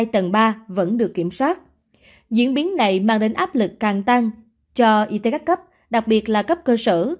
tầng ba vẫn được kiểm soát diễn biến này mang đến áp lực càng tăng cho y tế các cấp đặc biệt là cấp cơ sở